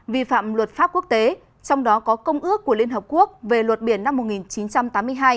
vi phạm luật pháp quốc tế trong đó có công ước của liên hợp quốc về luật biển năm một nghìn chín trăm tám mươi hai